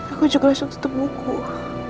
aku juga langsung ketemu kuh